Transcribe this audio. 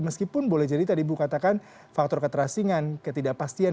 meskipun boleh jadi tadi ibu katakan faktor keterasingan ketidakpastian